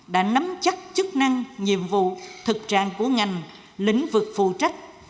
đã nắm chắc chức năng nhiệm vụ thực trạng của ngành lĩnh vực phụ trách